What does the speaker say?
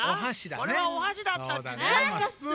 これはおはしだったっちね。